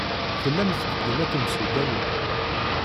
Tellam tetteddum ad temsudanem?